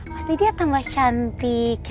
pasti dia tamah cantik